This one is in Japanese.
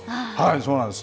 そうなんです。